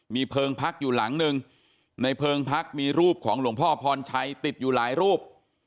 มีเพลิงพักอยู่หลังหนึ่งในเพลิงพักมีรูปของหลวงพ่อพรชัยติดอยู่หลายรูป